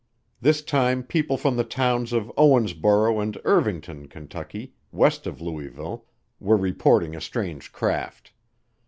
This time people from the towns of Owensboro and Irvington, Kentucky, west of Louisville, were reporting a strange craft.